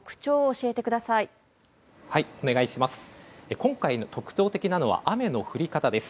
今回、特徴的なのは雨の降り方です。